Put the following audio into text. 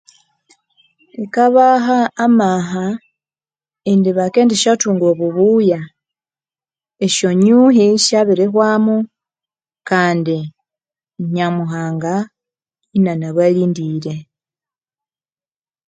Ngabaha amaha indi bakendisyathunga obubuya esyanyuhi syabirihwamu kandi Nyamuhanga inanabalindire